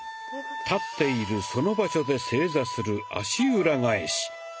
立っているその場所で正座する「足裏返し」。